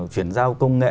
chuyển giao công nghệ